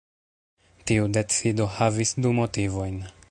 Tiu decido havis du motivojn.